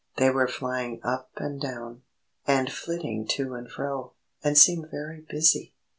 They were flying up and down, and flitting to and fro, and seemed very busy.